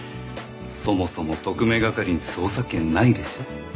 そもそも特命係に捜査権ないでしょ？